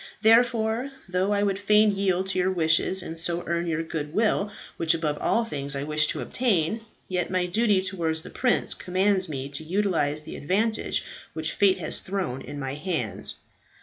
Therefore, though I would fain yield to your wishes and so earn your goodwill, which above all things I wish to obtain, yet my duty towards the prince commands me to utilize the advantage which fate has thrown in my hands."